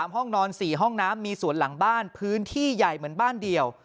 ห้องนอน๔ห้องน้ำมีสวนหลังบ้านพื้นที่ใหญ่เหมือนบ้านเดียว